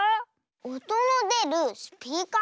おとのでるスピーカー？